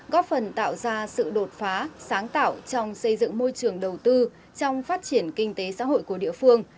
góp phần tạo ra sự đột phá sáng tạo trong xây dựng môi trường đầu tư trong phát triển kinh tế xã hội của địa phương